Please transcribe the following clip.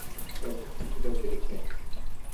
এরপর কিছুটা বেড়েছে।